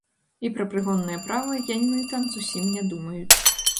І пра прыгоннае права яны там зусім не думаюць.